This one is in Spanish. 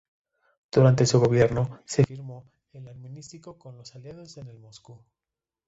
Durante su gobierno, se firmó, el armisticio con los Aliados el en Moscú.